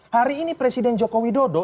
hari ini presiden jokowi dodo